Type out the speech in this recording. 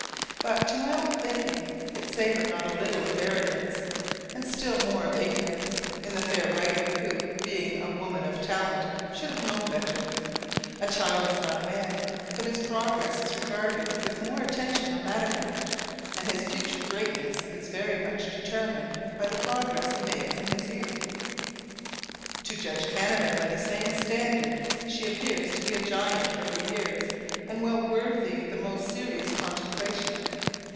But, to my own thinking, it savoured not a little of arrogance, and still more of ignorance, in the fair writer; who, being a woman of talent, should have known better. A child is not a man, but his progress is regarded with more attention on that account; and his future greatness is very much determined by the progress he makes in his youth. To judge Canada by the same standard, she appears to be a giant for her years, and well worthy the most serious contemplation.